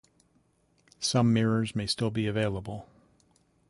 Some mirrors may still be available.